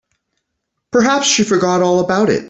Perhaps she forgot all about it.